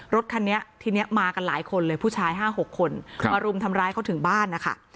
รถคันนี้ทีนี้มากันหลายคนเลยผู้ชาย๕๖คนมารุมทำร้ายเขาถึงบ้านนะคะ